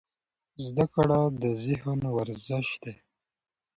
زده کړه د ذهن ورزش دی.